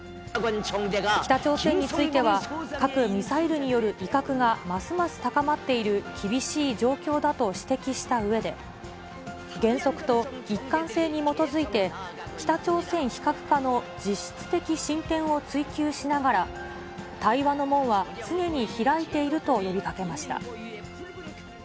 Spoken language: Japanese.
北朝鮮については、核・ミサイルによる威嚇がますます高まっている厳しい状況だと指摘したうえで、原則と一貫性に基づいて、北朝鮮非核化の実質的進展を追求しながら、対話の門は常に開いていると呼びかけました。